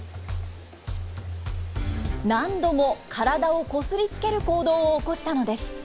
何度も体をこすりつける行動を起こしたのです。